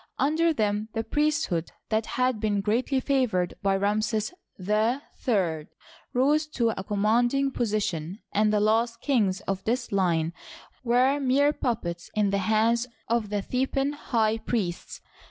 Under them the priesthood that had been greatly favored by Ramses III rose to a commanding position, and the last kings of this line were mere puppets in the hands of the Theban high priests.